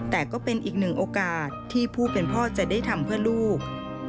แต่ก็เป็นอีกหนึ่งโอกาสที่ผู้เป็นพ่อจะได้ทำเพื่อลูก